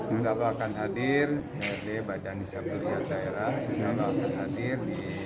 insya allah akan hadir di badan risetrusial daerah insya allah akan hadir